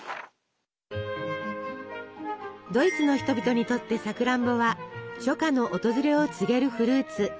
ドイツの人々にとってさくらんぼは初夏の訪れを告げるフルーツ。